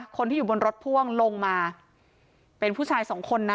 คนที่อยู่บนรถพ่วงลงมาเป็นผู้ชายสองคนนะ